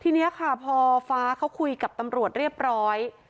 ทีนี้ค่ะพอฟ้าเขาคุยกับตำรวจเรียบร้อย